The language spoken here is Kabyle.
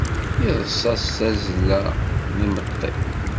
Yeḍṣa s tazzla n imeṭṭi!